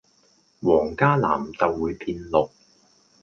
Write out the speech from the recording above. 黃加藍就會變綠